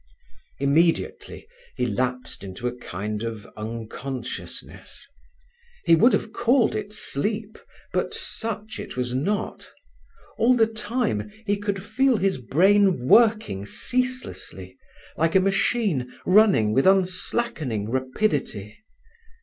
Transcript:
Immediately he lapsed into a kind of unconsciousness. He would have called it sleep, but such it was not. All the time he could feel his brain working ceaselessly, like a machine running with unslackening rapidity.